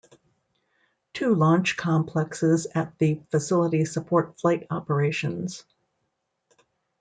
Two launch complexes at the facility support flight operations.